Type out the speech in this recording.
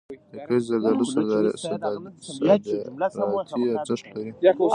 د قیسی زردالو صادراتي ارزښت لري.